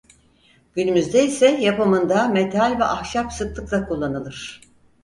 Günümüzde ise yapımında metal ve ahşap sıklıkla kullanılır.